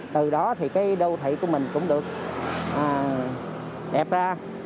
từ đó thì cái đô thị của mình cũng được đẹp ra